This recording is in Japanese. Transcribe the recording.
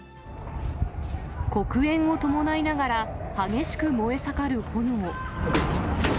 黒煙を伴いながら、激しく燃え盛る炎。